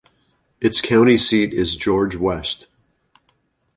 Its county seat is George West.